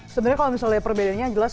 sebenarnya kalau misalnya perbedaannya jelas